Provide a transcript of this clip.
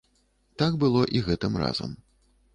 Так было і гэтым разам.